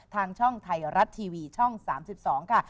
ทางช่องไทยรัฐทีวีช่อง๓๒ค่ะ